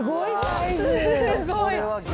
すごい。